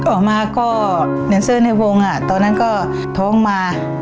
ออกมาก็เนเซอร์ในวงตอนนั้นก็ท้องมา